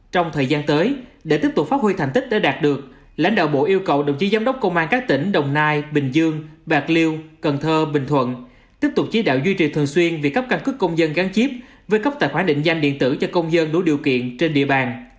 trong thời gian tới để tiếp tục phát huy thành tích đã đạt được lãnh đạo bộ yêu cầu đồng chí giám đốc công an các tỉnh đồng nai bình dương bạc liêu cần thơ bình thuận tiếp tục chỉ đạo duy trì thường xuyên việc cấp căn cứ công dân gắn chip với cấp tài khoản định danh điện tử cho công dân đủ điều kiện trên địa bàn